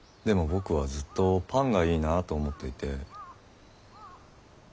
でも僕はずっとパンがいいなぁと思っていて。